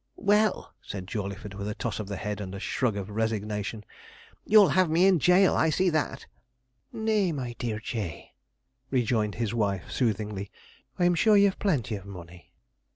'Well,' said Jawleyford, with a toss of the head and a shrug of resignation, 'you'll have me in gaol; I see that.' 'Nay, my dear J.,' rejoined his wife, soothingly; 'I'm sure you've plenty of money.'